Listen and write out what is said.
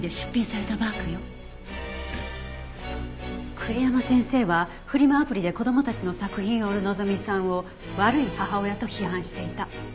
栗山先生はフリマアプリで子供たちの作品を売る希さんを悪い母親と批判していた。